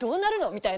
みたいな。